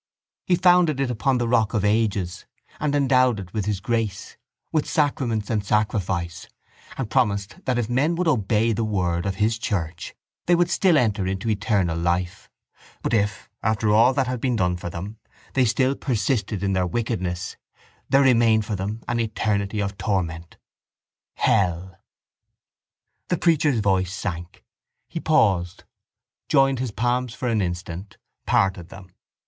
He founded it upon the rock of ages and endowed it with His grace, with sacraments and sacrifice, and promised that if men would obey the word of His church they would still enter into eternal life; but if, after all that had been done for them, they still persisted in their wickedness, there remained for them an eternity of torment: hell. The preacher's voice sank. He paused, joined his palms for an instant, parted them.